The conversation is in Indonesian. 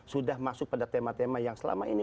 sudah masuk pada tema tema yang selama ini